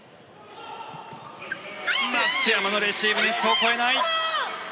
松山のレシーブネットを越えない。